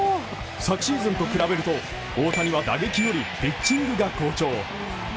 昨シーズンと比べると、大谷は打撃よりピッチングが好調。